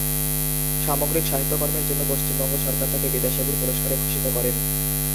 সামগ্রিক সাহিত্যকর্মের জন্য পশ্চিমবঙ্গ সরকার তাকে বিদ্যাসাগর পুরস্কারে ভূষিত করেন।